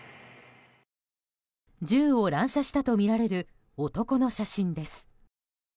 銃を乱射したとみられる男の写真です。